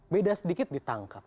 beda sedikit ditangkap